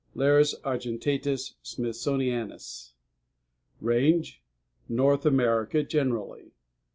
= Larus argentatus smithsonianus. RANGE North America generally.